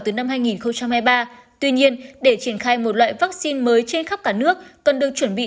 từ năm hai nghìn hai mươi ba tuy nhiên để triển khai một loại vaccine mới trên khắp cả nước cần được chuẩn bị